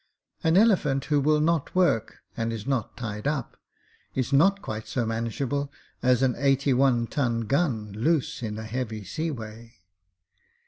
An elephant who will not work, and is not tied up, is not quite so manageable as an eighty one ton gun loose in a heavy sea way.